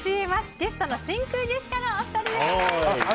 ゲストの真空ジェシカのお二人です。